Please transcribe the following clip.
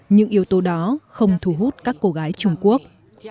những yếu tố đó không thu hút các cô gái trung quốc